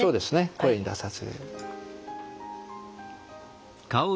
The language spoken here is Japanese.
声に出さず。